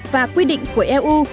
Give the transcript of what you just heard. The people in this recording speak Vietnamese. và quy định của eu